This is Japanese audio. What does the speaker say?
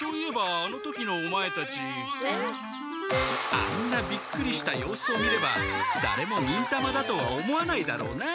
あんなびっくりした様子を見ればだれも忍たまだとは思わないだろうな。